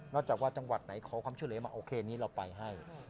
จากว่าจังหวัดไหนขอความช่วยเหลือมาโอเคนี้เราไปให้